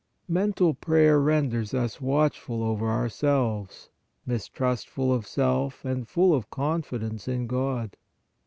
Mental prayer renders us watchful over our selves, mistrustful of self and full of confidence in God.